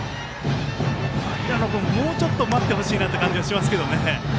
平野君、もうちょっと待ってほしい感じがしますね。